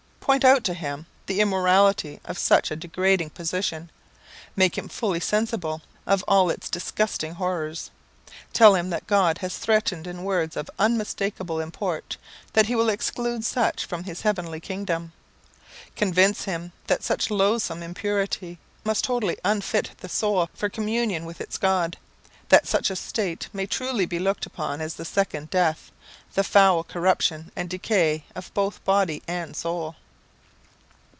Point out to him the immorality of such a degrading position; make him fully sensible of all its disgusting horrors. Tell him that God has threatened in words of unmistakable import, that he will exclude such from his heavenly kingdom. Convince him that such loathsome impurity must totally unfit the soul for communion with its God that such a state may truly be looked upon as the second death the foul corruption and decay of both body and soul.